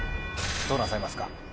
どうなさいますか？